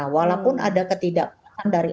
walaupun ada ketidakpunan dari